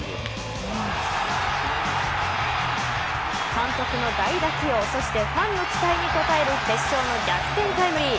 監督の代打起用そしてファンの期待に応える決勝の逆転タイムリー。